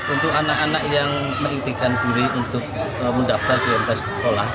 untuk anak anak yang mengintikan diri untuk mendaftar di ms sekolah